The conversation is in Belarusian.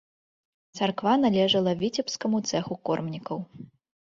Царква належала віцебскаму цэху кормнікаў.